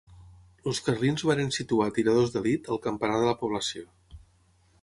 Els carlins varen situar tiradors d'elit al campanar de la població.